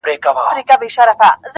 ما یې کړي پر شنېلیو اتڼونه -